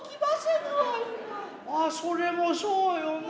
アアそれもそうよな。